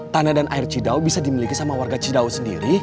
tanah dan air cidau bisa dimiliki sama warga cidau sendiri